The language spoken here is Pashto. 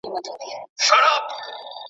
شاعر د ترنګ رود په اوبو کې خپل بېلتون ویني.